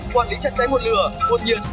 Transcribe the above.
quản lý chặt cháy nguồn lửa nguồn nhiệt